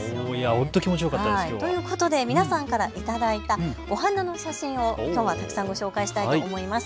本当気持ちよかったです。ということで皆さんから頂いたお花の写真をきょうはたくさんご紹介したいと思います。